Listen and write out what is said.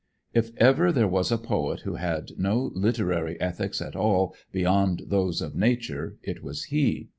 If ever there was a poet who had no literary ethics at all beyond those of nature, it was he.